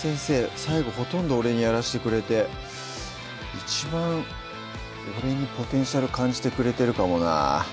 最後ほとんど俺にやらしてくれて一番俺にポテンシャル感じてくれてるかもな